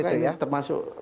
apakah ini termasuk